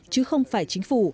chứ không phải chính phủ